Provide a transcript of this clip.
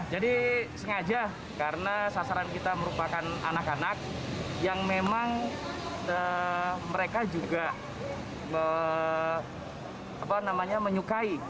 jadi sengaja karena sasaran kita merupakan anak anak yang memang mereka juga menyukai